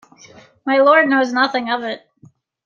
My Lord knows nothing of it.